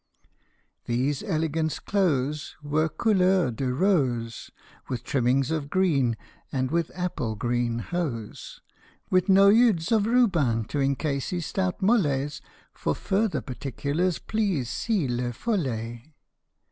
These elegant clothes Were couleur de rose, With trimmings of green and with apple green hose, With noeuds of ruban, to encase his stout mollets (For further particulars, please see Le Follet).